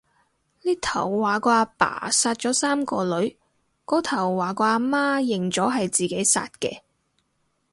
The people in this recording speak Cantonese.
呢頭話個阿爸殺咗三個女，嗰頭話個阿媽認咗係自己殺嘅